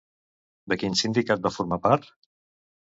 De quin sindicat va formar part?